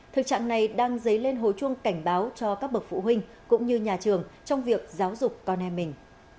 thực trạng này đang dấy lên hồi chuông cảnh báo cho các bậc phụ huynh cũng như nhà trường trong việc giáo dục con em mình